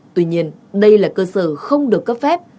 tuy nhiên đây là cơ sở không được cấp phép